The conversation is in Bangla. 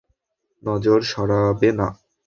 নজর সরাবে না।